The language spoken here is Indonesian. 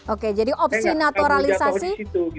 oke jadi opsi naturalisasi